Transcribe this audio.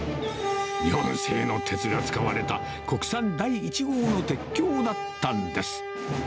日本製の鉄が使われた国産第１号の鉄橋だったんです。